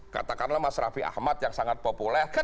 katakanlah mas raffi ahmad yang sangat populer